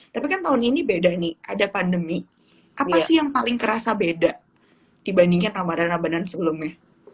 tapi kan tahun ini beda nih ada pandemi apa sih yang paling kerasa beda dibandingkan ramadan sebelumnya